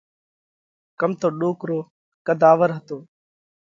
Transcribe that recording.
ڪم تو ڏوڪرو قڌ آور هتا۔